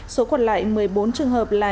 số còn lại một mươi bốn trường hợp là